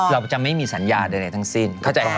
เราจะไม่มีสัญญาใดทั้งสิ้น